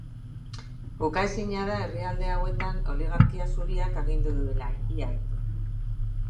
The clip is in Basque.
Ukaezina da herrialde hauetan oligarkia zuriak agindu duela ia beti.